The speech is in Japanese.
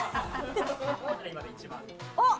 あっ！